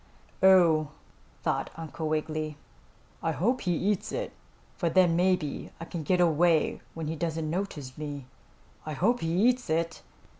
"Oh," thought Uncle Wiggily. "I hope he eats it, for then maybe I can get away when he doesn't notice me. I hope he eats it!"